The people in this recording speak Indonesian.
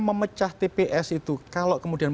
memecah tps itu kalau kemudian